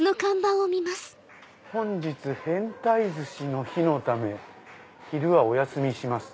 「本日変タイ鮨の日のため昼はお休みします」。